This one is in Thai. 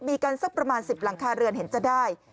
มีกันสักประมาณ๑๐หลังคาเรือนเห็นจะได้